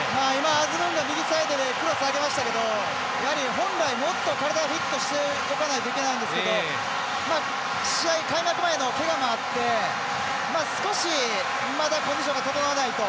アズムンが右サイドでクロスを上げましたけどやはり、本来もっと体をフィットさせとかないといけないんですけど開幕前のけがもあって少し、まだコンディションが整わないと。